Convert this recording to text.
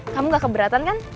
kamu gak keberatan kan